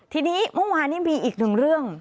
ทีนี้เมื่อวานนี้มีอีกหนึ่งเรื่อง